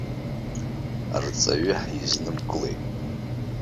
Арҵаҩы ҳизнымкылеит.